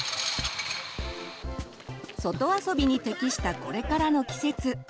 外遊びに適したこれからの季節。